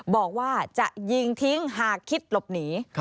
บอกว่าจะยิงทิ้งหากคิดหลบหนี